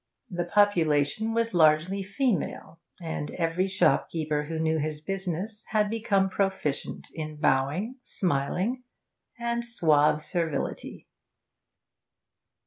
The population was largely female, and every shopkeeper who knew his business had become proficient in bowing, smiling, and suave servility.